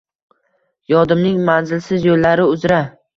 yodimning manzilsiz yo’llari uzra.